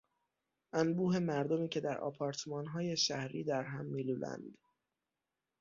انبوه مردمی که در آپارتمانهای شهری درهم میلولند